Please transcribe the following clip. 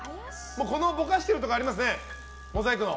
ぼかしているところがありますね、モザイクの。